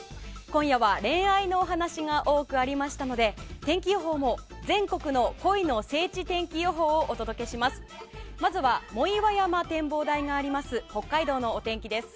今夜は恋愛のお話が多くありましたので天気予報も全国の恋の聖地天気予報をお届けします。